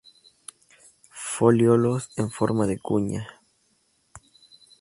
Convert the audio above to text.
Folíolos en forma de cuña.